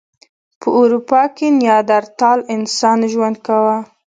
په اروپا کې نیاندرتال انسان ژوند کاوه.